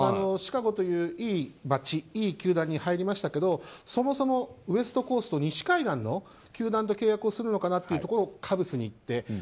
シカゴといういい街いい球団に入りましたけどそもそもウェストコースト西海岸の球団と契約をするのかなというところカブスに行って。